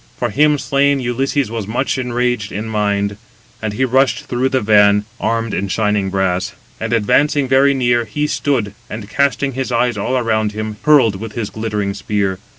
For him slain, Ulysses was much enraged in mind; and he rushed through the van, armed in shining brass; and advancing very near, he stood, and casting his eyes all around him, hurled with his glittering spear.